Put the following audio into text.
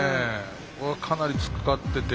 かなり突っかかってて。